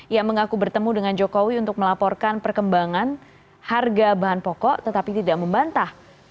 ia mengaku bertemu dengan jokowi untuk melaporkan perkembangan harga bahan pokok tetapi tidak membantah